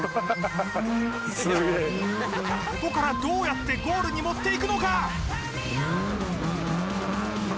ここからどうやってゴールに持っていくのか？